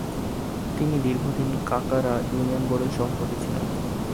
তিনি দীর্ঘদিন কাকারা ইউনিয়ন বোর্ডের সভাপতি ছিলেন।